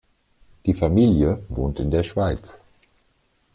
Die Familie wohnt in der Schweiz.